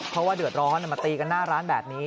เพราะว่าเดือดร้อนมาตีกันหน้าร้านแบบนี้